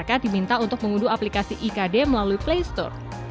pengguna diminta untuk mengunduh aplikasi ikd melalui playstore